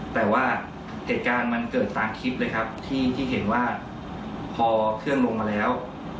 แต่ว่าเหตุการณ์มันเกิดตามคลิปเลยครับที่เห็นว่าพอเครื่องลงมาแล้ว